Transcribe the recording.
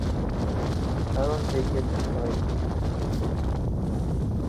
দারুণ দেখিয়েছেন সবাই!